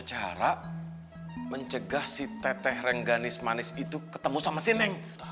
cara mencegah si teteh rengganis manis itu ketemu sama sineng